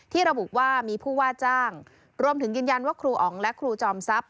ระบุว่ามีผู้ว่าจ้างรวมถึงยืนยันว่าครูอ๋องและครูจอมทรัพย